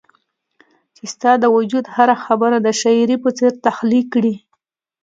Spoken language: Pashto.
چي ستا د وجود هره برخه د شاعري په څير تخليق کړي